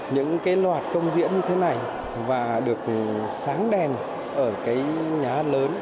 những cái loạt công diễn như thế này và được sáng đèn ở cái nhà hát lớn